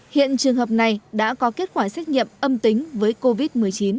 hiện trường hợp này đã có kết quả xét nghiệm âm tính với covid một mươi chín